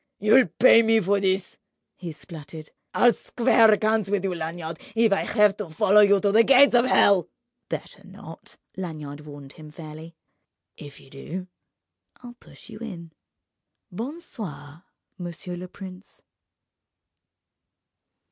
"You'll pay me for this!" he spluttered. "I'll square accounts with you, Lanyard, if I have to follow you to the gates of hell!" "Better not," Lanyard warned him fairly, "if you do, I'll push you in ... Bon soir, monsieur le prince!"